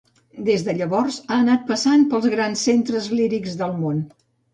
Des de llavors, ha anat passant pels grans centres lírics del món.